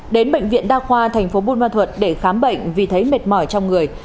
đến bệnh viện đa khoa tp bôn ma thuật để khám bệnh vì thấy mệt mỏi trong người